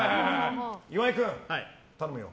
岩井君、頼むよ。